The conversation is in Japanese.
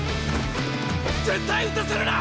絶対打たせるな！